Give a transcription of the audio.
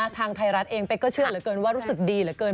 ทางไทยรัฐเองเป๊กก็เชื่อเหลือเกินว่ารู้สึกดีเหลือเกิน